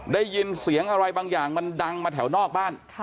ได้ยินเสียงอะไรบางอย่างมันดังมาแถวนอกบ้าน